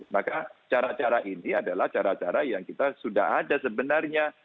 maka cara cara ini adalah cara cara yang kita sudah ada sebenarnya